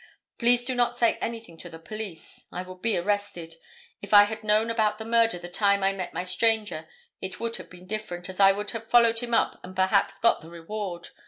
Please do not say anything to the police. I would be arrested. If I had known about the murder the time I met my stranger it would have been different, as I would have followed him up and perhaps got the reward.